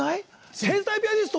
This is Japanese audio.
天才ピアニスト！